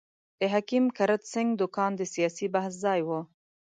د حکیم کرت سېنګ دوکان د سیاسي بحث ځای وو.